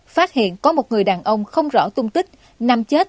phát hiện có một người đàn ông không rõ tung tích nằm chết